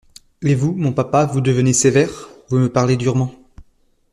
Et vous, mon papa, vous devenez sévère !… vous me parlez durement.